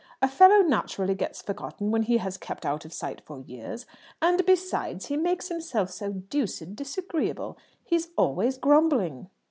"A fellow naturally gets forgotten when he has kept out of sight for years and besides, he makes himself so deuced disagreeable! He's always grumbling."